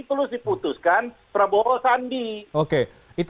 terus diputuskan prabowo sandi